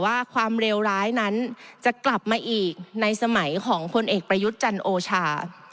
ว่าความเลวร้ายนั้นจะกลับมาอีกในสมัยของพลเอกประยุทธ์จันโอชา